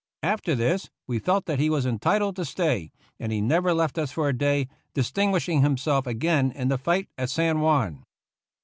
After this, we felt that he was entitled to stay, and he never left us for a day, distinguishing himself again in the fight at San Juan.